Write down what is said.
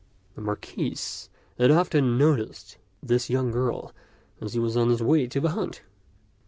The Marquis had often noticed this young girl as he was on his way to the hunt.